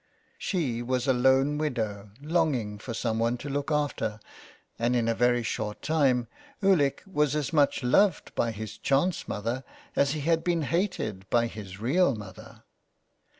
She was a lone widow longing for someone to look after, and in a very short time Ulick was as much loved by his chance mother as he had been hated by his real mother.